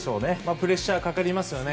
プレッシャーかかりますよね。